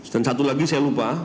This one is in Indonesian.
dan satu lagi saya lupa